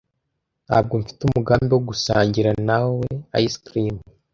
Ntabwo mfite umugambi wo gusangira nawe ice cream.